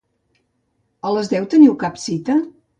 A les deu teniu cap cita?